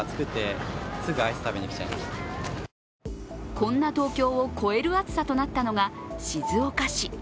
こんな東京を超える暑さとなったのが静岡市。